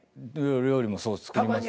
料理も作ります。